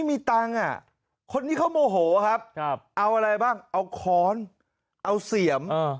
คนนี้เขาโมโหครับเอาอะไรบ้างเอาค้อนเอาเสียม